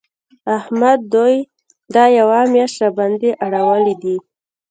احمد دوی دا یوه مياشت راباندې اړولي دي.